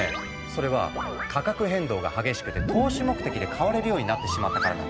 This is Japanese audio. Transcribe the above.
それは価格変動が激しくて投資目的で買われるようになってしまったからなんだ。